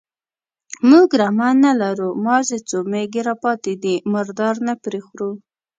_موږ رمه نه لرو، مازې څو مېږې راپاتې دي، مردار نه پرې خورو.